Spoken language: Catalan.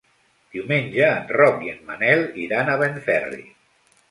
Diumenge en Roc i en Manel iran a Benferri.